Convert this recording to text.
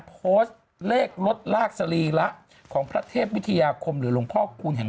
โพสต์เลขลดลากสรีระของพระเทพวิทยาคมหรือหลวงพ่อคูณแห่ง